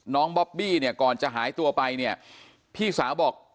บอบบี้เนี่ยก่อนจะหายตัวไปเนี่ยพี่สาวบอก